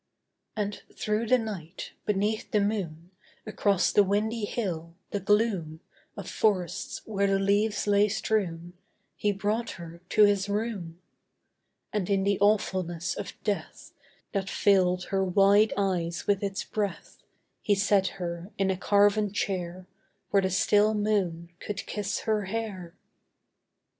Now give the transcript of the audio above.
And through the night, beneath the moon, Across the windy hill, the gloom Of forests where the leaves lay strewn, He brought her to his room: And in the awfulness of death, That filled her wide eyes with its breath, He set her in a carven chair Where the still moon could kiss her hair.